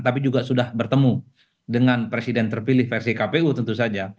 tapi juga sudah bertemu dengan presiden terpilih versi kpu tentu saja